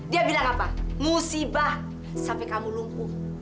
dia bilang apa musibah sampai kamu lumpuh